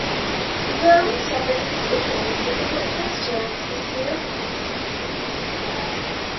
Rome suffered a particularly difficult pestilence this year.